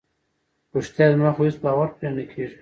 رښتیا؟ زما خو هیڅ باور پرې نه کیږي.